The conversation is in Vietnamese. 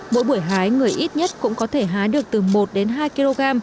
mỗi buổi hái người ít nhất cũng có thể hái được từ một đến hai kg